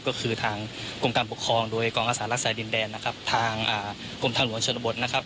ก็คือทางกรมการปกครองโดยกองอาสารักษาดินแดนนะครับทางกรมทางหลวงชนบทนะครับ